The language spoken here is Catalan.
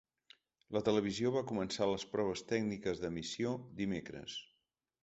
La televisió va començar les proves tècniques d’emissió dimecres.